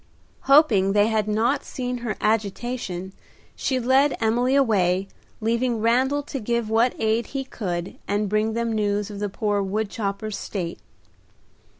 Hoping they had not seen her agitation, she led Emily away, leaving Randal to give what aid he could and bring them news of the poor wood chopper's state.